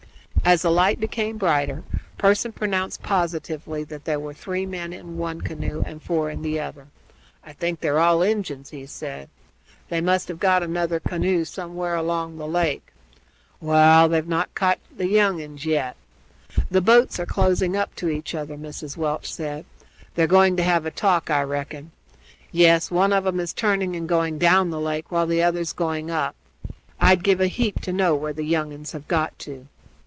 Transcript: As the light became brighter Pearson pronounced, positively, that there were three men in one canoe and four in the other. "I think they're all Injuns," he said. "They must have got another canoe somewhere along the lake. Waal, they've not caught the young uns yet." "The boats are closing up to each other," Mrs. Welch said. "They're going to have a talk, I reckon. Yes, one of 'em's turning and going down the lake, while the other's going up. I'd give a heap to know where the young uns have got to."